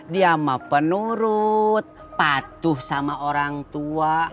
dia mah penurut patuh sama orang tua